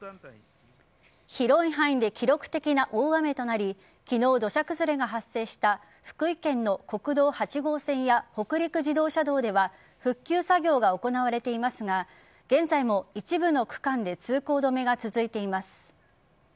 広い範囲で記録的な大雨となり昨日、土砂崩れが発生した福井県の国道８号線や北陸自動車道では復旧作業が行われていますが現在も一部の区間で通行止めが続いています。